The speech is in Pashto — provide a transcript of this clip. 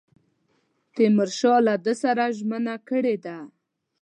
تیمورشاه له ده سره ژمنه کړې ده.